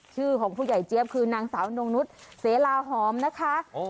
ชื่อของผู้ใหญ่เจี๊ยบคือนางสาวนงนุษย์เสลาหอมนะคะ